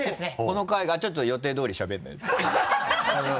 この回がちょっと予定通りしゃべんないで。